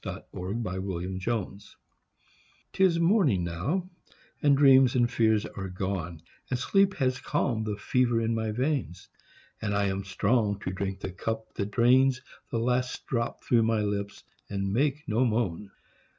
'TIS MORNING NOW 'Tis morning now, and dreams and fears are gone, And sleep has calmed the fever in my veins, And I am strong to drink the cup that drains The last drop through my lips, and make no moan.